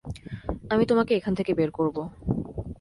আমি তোমাকে এখান থেকে বের করবো।